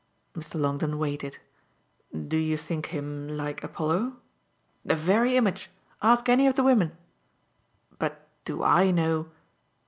Mr. Longdon weighed it. "Do you think him like Apollo?" "The very image. Ask any of the women!" "But do I know